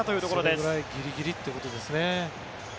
そのくらいギリギリということですね。